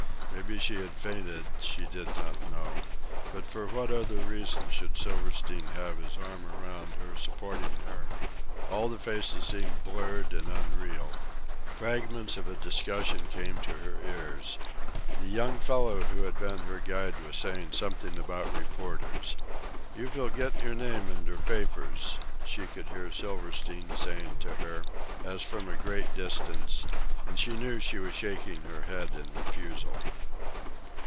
Maybe she had fainted, she did not know, but for what other reason should Silverstein have his arm around her supporting her? All the faces seemed blurred and unreal. Fragments of a discussion came to her ears. The young fellow who had been her guide was saying something about reporters. "You vill get your name in der papers," she could hear Silverstein saying to her, as from a great distance; and she knew she was shaking her head in refusal.